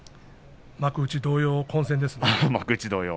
幕内同様、混戦ですね。